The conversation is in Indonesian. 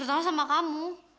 terutama sama kamu